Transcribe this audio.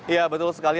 ya betul sekali alfian